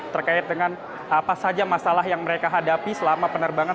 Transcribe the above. terkait dengan apa saja masalah yang mereka hadapi selama penerbangan